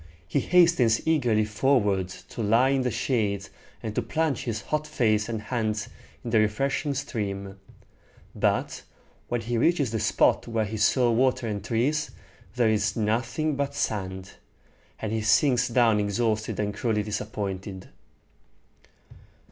He hastens eagerly forward to lie in the shade, and to plunge his hot face and hands in the refreshing stream; but when he reaches the spot where he saw water and trees, there is nothing but sand, and he sinks down exhausted and cruelly disappointed.